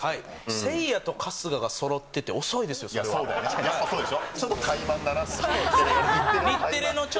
せいやと春日がそろってて、そうでしょ。